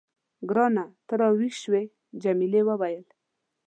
ګرانه، ته راویښ شوې؟ جميلې وويل:.